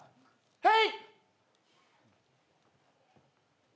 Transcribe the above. はい。